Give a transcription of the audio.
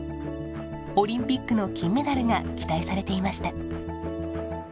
オリンピックの金メダルが期待されていました。